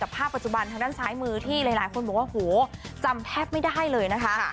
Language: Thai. ภาพคลัง